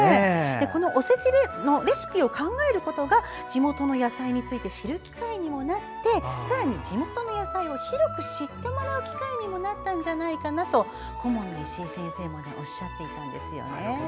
このおせちのレシピを考えることが地元の野菜について知る機会にもなってさらに、地元の野菜を広く知ってもらう機会にもなったんじゃないかなと顧問の石井先生もおっしゃっていたんですね。